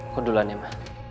kau duluan ya ma